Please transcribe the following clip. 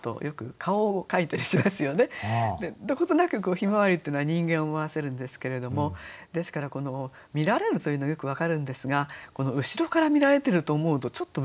どことなく向日葵っていうのは人間を思わせるんですけれどもですから見られるというのはよく分かるんですが後ろから見られていると思うとちょっと不気味じゃありませんか。